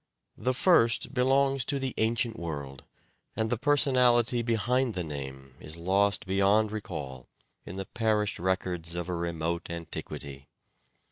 The first belongs to the ancient world and the personality behind the name is lost beyond recall in the perished records of a remote antiquity.